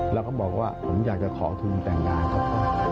แล้วก็บอกว่าผมอยากจะขอทุนแต่งงานครับ